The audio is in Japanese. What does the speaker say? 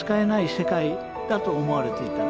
世界だと思われていた。